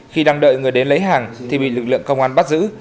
khi đang đợi người đến lấy hàng thì bị lực lượng công an bắt giữ